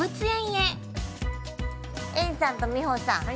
◆えりさんと美穂さん。